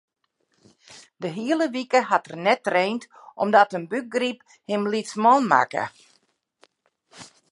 De hiele wike hat er net traind omdat in bûkgryp him lytsman makke.